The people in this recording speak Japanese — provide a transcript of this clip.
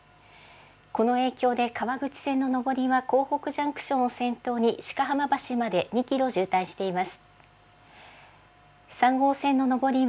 この影響で、川口線の上りは江北ジャンクションを先頭に鹿浜橋まで２キロ渋滞しています。